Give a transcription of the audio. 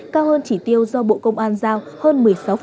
cao hơn chỉ tiêu do bộ công an giao hơn một mươi sáu